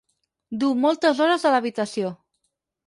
Du moltes hores a l'habitació.